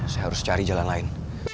saya harus cari jalan lain